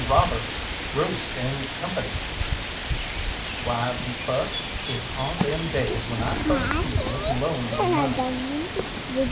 Robbers, Roost, and Co.?" "Why, Buck, it's on them days when I trusts you with loans of money."